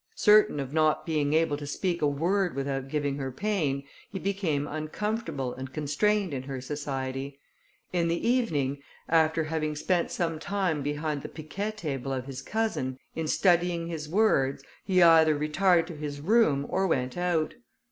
Certain of not being able to speak a word without giving her pain, he became uncomfortable and constrained in her society. In the evening, after having spent some time behind the piquet table of his cousin, in studying his words, he either retired to his room, or went out.